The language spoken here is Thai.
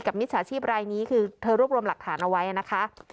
มิจฉาชีพรายนี้คือเธอรวบรวมหลักฐานเอาไว้นะคะ